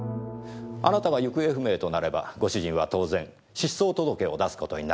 あなたが行方不明となればご主人は当然失踪届を出す事になるでしょう。